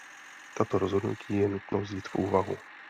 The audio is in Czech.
Tato rozhodnutí je nutno vzít v úvahu.